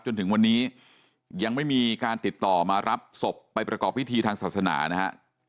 จนถึงวันนี้ยังไม่มีการติดต่อมารับศพไปประกอบพิธีทางศาสนานะฮะ